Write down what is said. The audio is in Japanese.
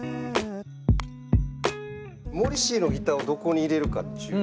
モリシーのギターをどこに入れるかっちゅう。